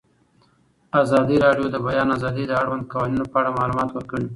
ازادي راډیو د د بیان آزادي د اړونده قوانینو په اړه معلومات ورکړي.